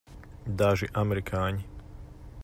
Daži amerikāņi.